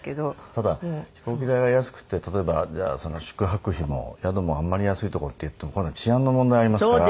ただ飛行機代が安くて例えばじゃあ宿泊費も宿もあんまり安いとこっていうと今度は治安の問題ありますから。